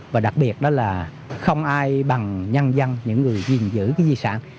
và đặc biệt đó là không ai bằng nhân dân những người gìn giữ cái di sản